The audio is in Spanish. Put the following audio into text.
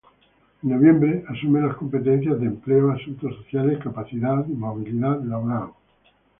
En noviembre, asume las competencias de Empleo, Asuntos Sociales, Capacidad y Movilidad Laboral.